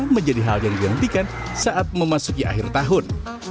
menjadi hal yang dihentikan saat memasuki akhir tahun